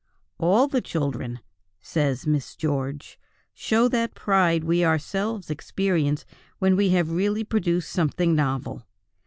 "All the children," says Miss George, "show that pride we ourselves experience when we have really produced something novel.